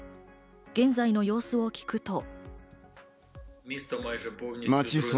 現在の様子を聞くと。